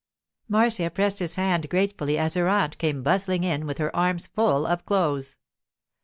Marcia pressed his hand gratefully as her aunt came bustling in with her arms full of clothes.